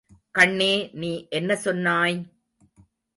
கண்ணே நீ என்ன சொன்னாய்!